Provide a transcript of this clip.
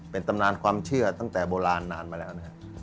เป็นตำนานความเชื่อตั้งแต่โบราณนานมาแล้วนะครับ